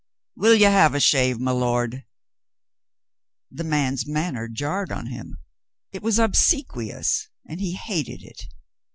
"Will you have a shave, my lord ?" The man's manner jarred on him. It was obsequious, and he hated it.